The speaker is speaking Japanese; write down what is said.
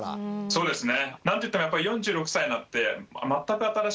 そうですね。